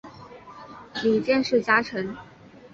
里见氏家臣。